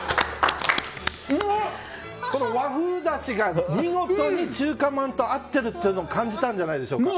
和風だしが見事に中華まんと合っているのを感じたんじゃないでしょうか。